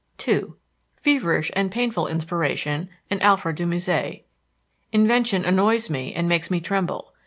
II. Feverish and painful inspiration in Alfred de Musset: "Invention annoys me and makes me tremble.